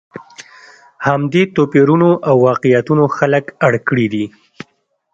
همدې توپیرونو او واقعیتونو خلک اړ کړي دي.